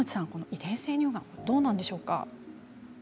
遺伝性乳がんどうなんでしょうか。